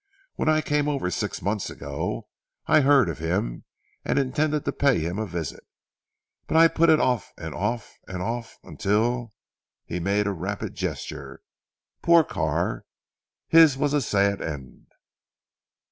When I came over six months ago, I heard of him, and intended to pay him a visit. But I put it off and off and off until " he made a rapid gesture, "poor Carr! His was a sad end."